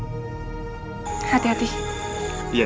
semoga kondorang untuk bingung saja